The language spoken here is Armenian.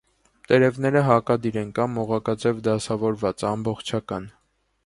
Տերևները հակադիր են կամ օղակաձև դասավորված, ամբողջական։